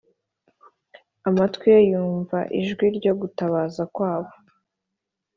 amatwi ye yumva ijwi ryo gutabaza kwabo